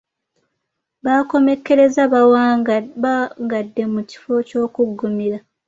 Baakomekkereza bawangadde mu kifo ky’okuggumira.